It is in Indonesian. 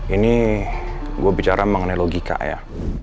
ini gue bicara mengenai logika ya